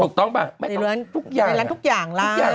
ถูกต้องป่ะในร้านทุกอย่างร้าน